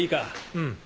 うん。